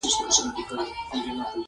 قبر د دنیا دروازې بندوي.